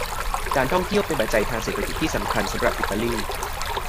การท่องเที่ยวเป็นปัจจัยทางเศรษฐกิจที่สำคัญสำหรับอิตาลี